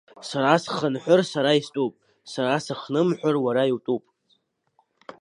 Сара схынҳәыр сара истәуп, сара сыхнымҳәыр уара иутәуп.